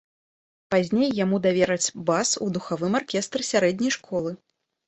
Пазней яму давераць бас у духавым аркестры сярэдняй школы.